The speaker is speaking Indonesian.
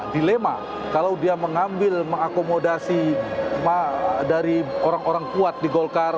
dilema kalau dia mengambil mengakomodasi dari orang orang kuat di golkar